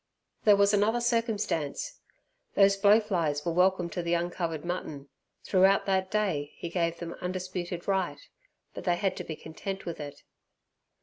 There was another circumstance. Those blowflies were welcome to the uncovered mutton. Throughout that day he gave them undisputed right, but they had to be content with it.